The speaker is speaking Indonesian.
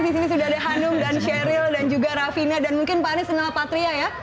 di sini sudah ada hanum dan sheryl dan juga rafina dan mungkin pak anies kenal patria ya